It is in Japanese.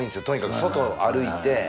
とにかく外を歩いて。